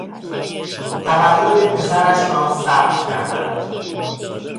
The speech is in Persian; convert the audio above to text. تولد پسرش را ثبت کردند.